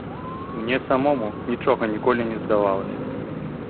Мне самому нічога ніколі не здавалася.